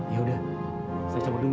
ya udah saya cabut dulu